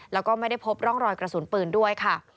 แล้วก็ไม่ได้พบร่องรอยกระสุนปืนด้วยค่ะ